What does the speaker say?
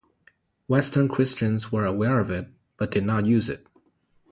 Western Christians were aware of it but did not use it.